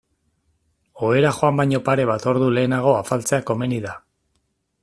Ohera joan baino pare bat ordu lehenago afaltzea komeni da.